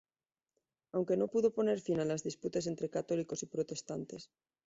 Aunque no pudo poner fin a las disputas entre católicos y protestantes.